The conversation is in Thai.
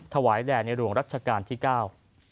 ถวายแด่ในหลวงรัชกาลที่เก้า